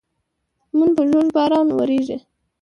نن په ژوژ باران ووري